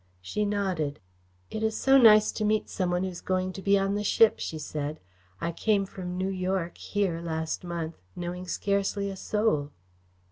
She nodded. "It is so nice to meet some one who is going to be on the ship," she said. "I came from New York here last month, knowing scarcely a soul."